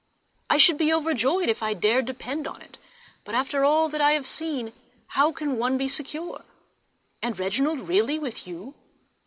I should be overjoyed if I dared depend on it, but after all that I have seen how can one be secure? And Reginald really with you!